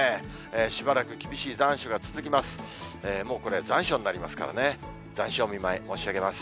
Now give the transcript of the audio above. しばらく厳しい残暑が続きます。